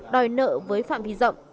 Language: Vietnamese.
đòi nợ với phạm vi rộng